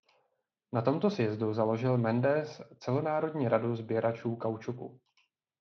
Na tomto sjezdu založil Mendes Celonárodní radu sběračů kaučuku.